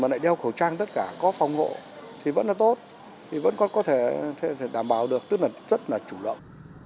lại đeo khẩu trang tất cả có phòng ngộ thì vẫn là tốt thì vẫn có thể đảm bảo được tức là rất là chủ động